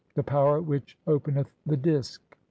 (8) The "power which openeth the Disk.